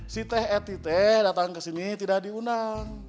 si teh eh teh teh datang kesini tidak diundang